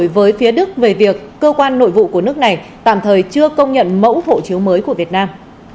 với phía đức về việc cơ quan nội vụ của nước này tạm thời chưa công nhận mẫu hộ chiếu mới của việt nam